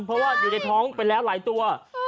เพราะว่าอยู่ในท้องไปแล้วหลายตัว